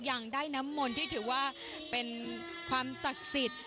ยังได้น้ำมนต์ที่ถือว่าเป็นความศักดิ์สิทธิ์